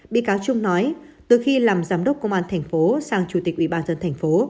bị cáo trung nói từ khi làm giám đốc công an thành phố sang chủ tịch ủy ban dân thành phố